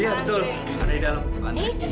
iya betul ada di dalam